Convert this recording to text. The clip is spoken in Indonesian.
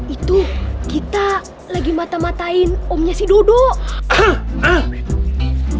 itu kita lagi mata matain omnya si dodol